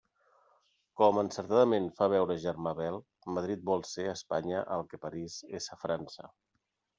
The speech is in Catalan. Com encertadament fa veure Germà Bel, Madrid vol ser a Espanya el que París és a França.